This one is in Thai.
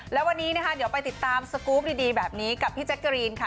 และวันนี้นะคะเดี๋ยวไปติดตามสกรูปดีแบบนี้กับพี่แจ๊กกะรีนค่ะ